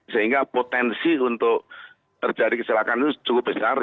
sehingga potensi untuk terjadi kecelakaan itu cukup besar